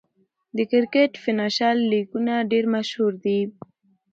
د کرکټ فینانشل لیګونه ډېر مشهور دي.